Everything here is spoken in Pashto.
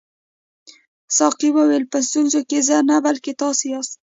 ساقي وویل په ستونزه کې زه نه بلکې تاسي یاست.